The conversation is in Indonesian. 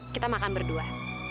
kita makan berdua